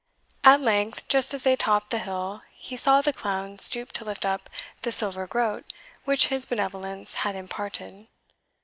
At length, just as they topped the hill, he saw the clown stoop to lift up the silver groat which his benevolence had imparted.